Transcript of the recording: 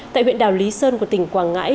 tại huyện đảo lý sơn của tỉnh quảng ngãi